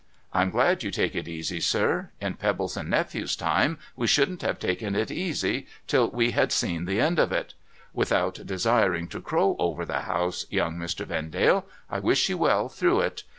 I'm glad you take it easy, sir. In Pebbleson Nephew's time we shouldn't have taken it easy till 2 M 53© NO THOROUGHFARE we had seen the end of it. Without desiring to crow over the house, Young Mr. Vendalc, I wish you well through it.